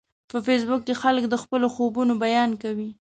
په فېسبوک کې خلک د خپلو خوبونو بیان کوي